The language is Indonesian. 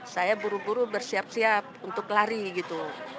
saya buru buru bersiap siap untuk lari gitu